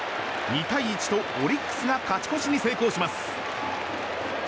２対１とオリックスが勝ち越しに成功します。